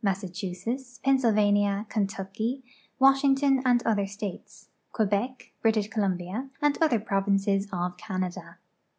ssachusetts, Pennsylvania, Kentucky, Washington, and other states: Quebec. British Columbia, and other provinces of Canada.